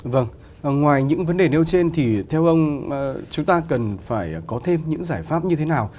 vâng ngoài những vấn đề nêu trên thì theo ông chúng ta cần phải có thêm những giải pháp như thế nào